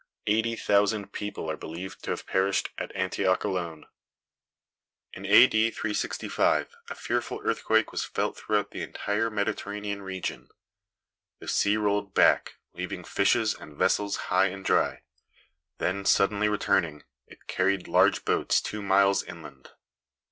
Eighty thousand people are believed to have perished at Antioch alone. [Illustration: ANTIOCH.] In A. D. 365 a fearful earthquake was felt throughout the entire Mediterranean region. The sea rolled back, leaving fishes and vessels high and dry; then, suddenly returning, it carried large boats two miles inland.